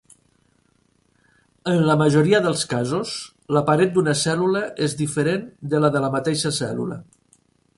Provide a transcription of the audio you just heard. En la majoria dels casos, la paret d'una cèl·lula és diferent de la de la mateixa cèl·lula.